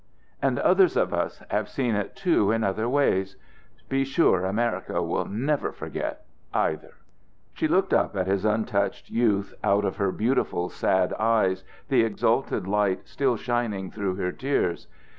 "And others of us have seen it too in other ways be sure America will never forget, either." She looked up at his untouched youth out of her beautiful sad eyes, the exalted light still shining through her tears.